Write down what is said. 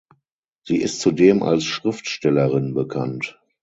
Sie ist zudem als Schriftstellerin bekannt.